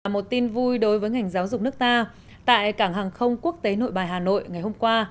một tin vui đối với ngành giáo dục nước ta tại cảng hàng không quốc tế nội bài hà nội ngày hôm qua